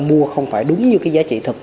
mua không phải đúng như cái giá trị thật